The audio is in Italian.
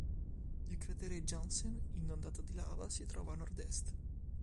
Il cratere Jansen, inondato di lava, si trova a nord-est.